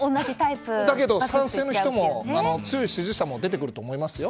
だけど、賛成の人の強い支持者も出てくると思いますよ。